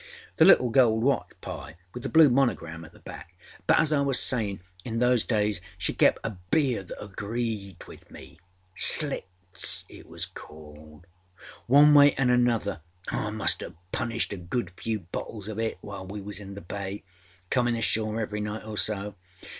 The little gold watch, Pye, with the blue monogram at the back. But, as I was sayinâ, in those days she kepâ a beer that agreed with meâSlits it was called. One way anâ another I must âave punished a good few bottles of it while we was in the bayâcominâ ashore every night or so.